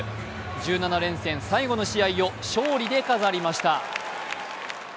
１７連戦最後の試合を勝利で飾りました。